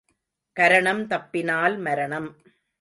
கரணம் தப்பினால் மரணம்.